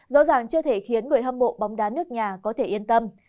rõ ràng chưa thể khiến người hâm mộ bóng đá nước nhà có thể yên tâm